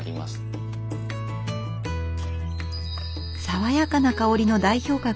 爽やかな香りの代表格